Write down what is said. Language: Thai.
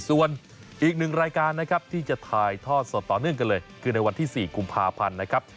ส่วนอีกหนึ่งรายการนะครับที่จะถ่ายทอดสดต่อเนื่องกันเลยคือในวันที่๔กุมภาพันธ์นะครับ